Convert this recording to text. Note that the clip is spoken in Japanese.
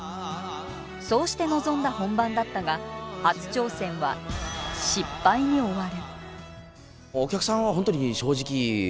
そうして臨んだ本番だったが初挑戦は失敗に終わる。